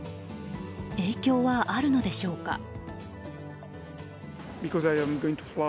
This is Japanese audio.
影響はあるのでしょうか。